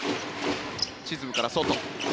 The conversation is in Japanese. チズムから外。